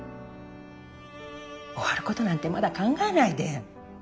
終わることなんてまだ考えないで。